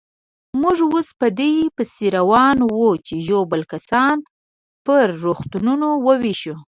موږ اوس په دې پسې روان وو چې ژوبل کسان پر روغتونو وېشو.